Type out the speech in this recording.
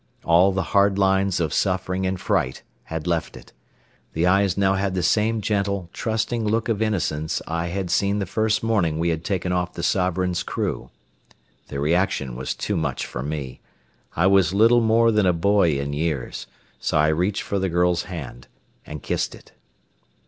All the hard lines of suffering and fright had left it. The eyes now had the same gentle, trusting look of innocence I had seen the first morning we had taken off the Sovereign's crew. The reaction was too much for me. I was little more than a boy in years, so I reached for the girl's hand and kissed it.